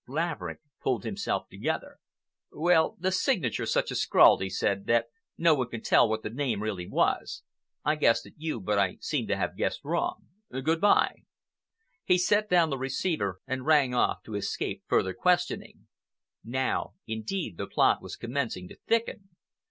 Laverick pulled himself together. "Well, the signature's such a scrawl," he said, "that no one could tell what the name really was. I guessed at you but I seem to have guessed wrong. Good bye!" He set down the receiver and rang off to escape further questioning. Now indeed the plot was commencing to thicken.